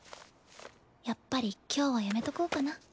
やっぱり今日はやめとこうかな。